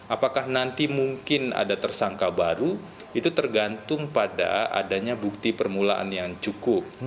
apakah nanti mungkin ada tersangka baru itu tergantung pada adanya bukti permulaan yang cukup